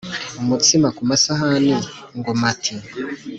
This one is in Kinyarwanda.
umutsima ku masahani ngo mati